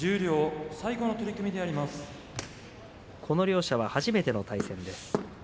この両者初めての対戦です。